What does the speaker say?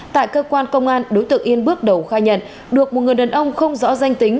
tại cơ quan công an đối tượng yên bước đầu khai nhận được một người đàn ông không rõ danh tính